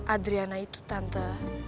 adriana itu tante